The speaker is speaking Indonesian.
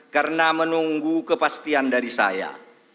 karena menunggu kepastian dari saya